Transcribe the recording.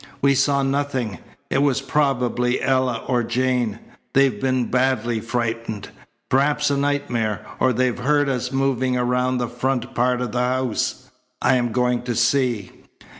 "We saw nothing. It was probably Ella or Jane. They've been badly frightened. Perhaps a nightmare, or they've heard us moving around the front part of the house. I am going to see."